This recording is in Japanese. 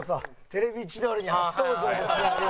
『テレビ千鳥』に初登場です有吉さん。